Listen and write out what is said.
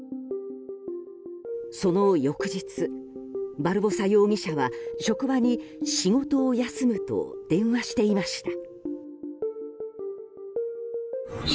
その翌日、バルボサ容疑者は職場に仕事を休むと電話していました。